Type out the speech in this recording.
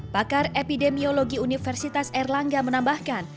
pakar epidemiologi universitas erlangga menambahkan